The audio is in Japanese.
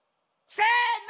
せの！